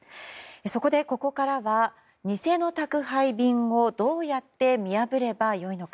そこで、ここからは偽の宅配便をどうやって見破ればよいのか。